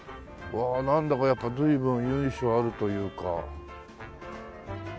わあなんだかやっぱ随分由緒あるというか。